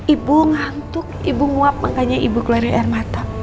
ibu ngantuk ibu nguap makanya ibu keluarin air mata